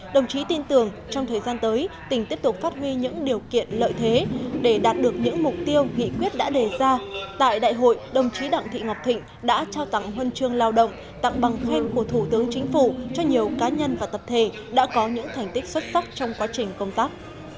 đồng chí tin tưởng trong thời gian tới tỉnh tiếp tục phát huy những điều kiện lợi thế để đạt được những mục tiêu nghị quyết đã đề ra tại đại hội đồng chí đặng thị ngọc thịnh đã trao tặng huân chương lao động tặng bằng khen của thủ tướng chính phủ cho nhiều cá nhân và tập thể đã có những thành tích xuất sắc trong quá trình công tác